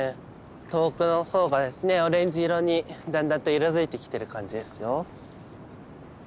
遠くの方がですねオレンジ色にだんだんと色づいてきてる感じですよ。